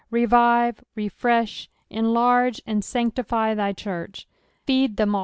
Kevive, refresh, enlarge and sanctify thy church. " Feed them ."